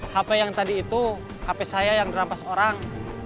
hape yang tadi itu hape saya yang dirampas orang